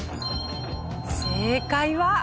正解は。